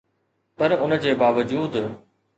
پر ان جي باوجود